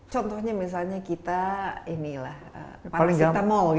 contohnya misalnya kita ini lah paracetamol